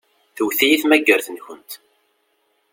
Tewwet-iyi tmagart-nkent.